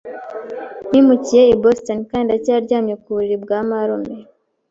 Nimukiye i Boston kandi ndacyaryamye ku buriri bwa marume.